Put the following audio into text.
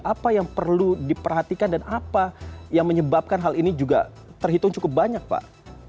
apa yang perlu diperhatikan dan apa yang menyebabkan hal ini juga terhitung cukup banyak pak